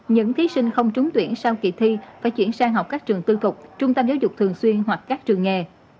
những thí sinh không trúng tuyển sau kỳ thi phải chuyển sang học các trường tư thục trung tâm giáo dục thường xuyên hoặc các trường nghề